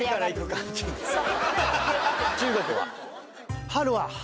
中国は？